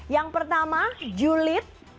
yang pertama julid